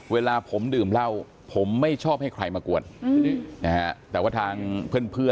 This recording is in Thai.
เวลาผมดื่มเหล้าผมไม่ชอบให้ใครมากวนนะฮะแต่ว่าทางเพื่อน